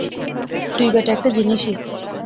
তুই ব্যাটা একটা জিনিসই।